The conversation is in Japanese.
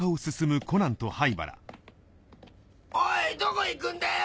おいどこ行くんだよ！